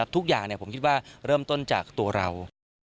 ทุกอย่างผมคิดว่าเริ่มต้นจากตัวเรา